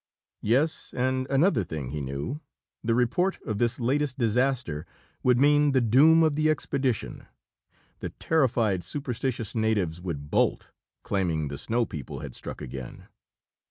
Yes, and another thing he knew. The report of this latest disaster would mean the doom of the expedition. The terrified, superstitious natives would bolt, claiming the "snow people" had struck again.